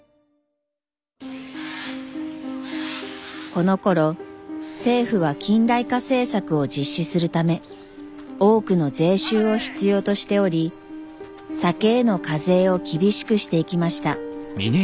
このころ政府は近代化政策を実施するため多くの税収を必要としており酒への課税を厳しくしていきました。